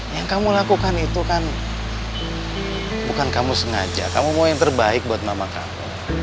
yang kamu lakukan itu kan bukan kamu sengaja kamu mau yang terbaik buat mama kamu